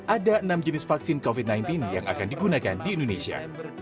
ada enam jenis vaksin covid sembilan belas yang akan digunakan di indonesia